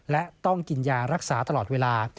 และต้องกินยารักษาตลอดเวลา